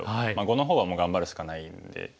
碁の方はもう頑張るしかないんで。